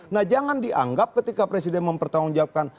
nah jangan dianggap ketika presiden mempertanggungjawabkan